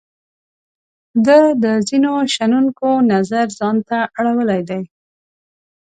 دا د ځینو شنونکو نظر ځان ته اړولای دی.